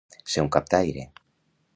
Ser un captaire.